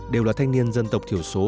đều là thanh niên dân tộc thiểu số